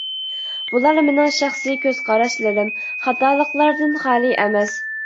بولار مېنىڭ شەخسىي كۆز قاراشلىرىم، خاتالىقلاردىن خالىي ئەمەس.